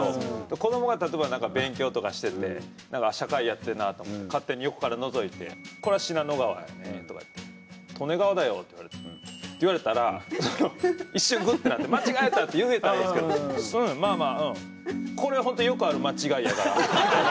子どもが、例えばなんか勉強とかしてて社会やってんなと勝手に横からのぞいて「これは信濃川やんね」とか言って「利根川だよ」って言われたら一瞬、グッてなって「間違えた！」って言えたらええんですけど「うんまあまあうん、これは本当よくある間違いやから」。